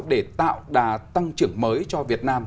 để tạo đà tăng trưởng mới cho việt nam